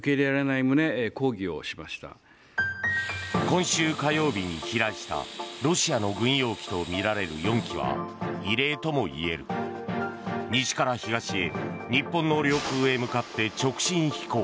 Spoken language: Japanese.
今週火曜日に飛来したロシアの軍用機とみられる４機は異例ともいえる、西から東へ日本の領空へ向かって直進飛行。